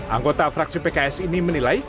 anggota fraksi pks ini menilai